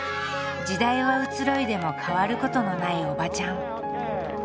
時代は移ろいでも変わることのないおばちゃん。